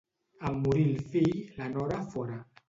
En morir el fill, la nora fora.